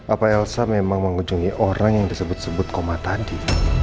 apa elsa memang mengunjungi orang yang disebut sebut koma tadi